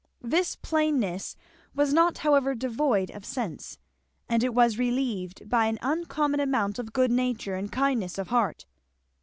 This plainness was not however devoid of sense, and it was relieved by an uncommon amount of good nature and kindness of heart.